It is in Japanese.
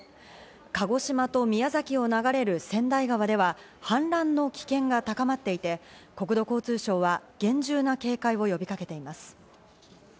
鹿児島と宮崎を流れる川内川では氾濫の危険が高まっていて、国土交通省は厳重な警戒を呼びかけています。